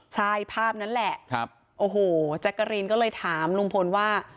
ใช่ภาพนั้นแหละจักรรีนก็เลยถามลุงพลว่า